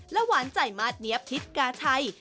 หวานใจมาสเนี๊ยบทิศกาชัย